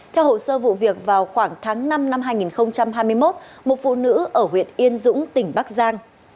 theo hồ sơ vụ việc vào khoảng tháng năm năm hai nghìn hai mươi một một phụ nữ ở huyện yên dũng tỉnh bắc giang